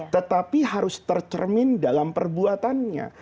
tetapi harus tercermin dalam perbuatannya